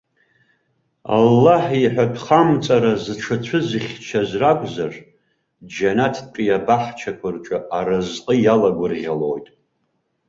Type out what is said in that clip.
Аллаҳ иҳәатәхамҵара зҽацәызыхьчаз ракәзар, џьанаҭтәи абаҳчақәа рҿы аразҟы иалагәырӷьалоит.